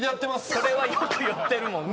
それはよく言ってるもんね。